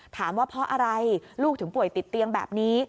ถามว่าเพราะอะไรลูกถึงป่วยติดเตียงแบบนี้